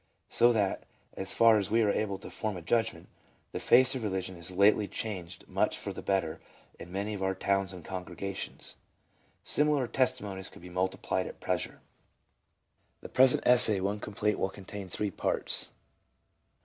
So that, as far as we are able to form a judgment, the face of Religion is lately changed much for the better in many of our towns and congregations." Similar testimonies could be multiplied at pleasure. The present essay when complete will contain three parts.